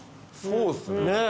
そうっすね。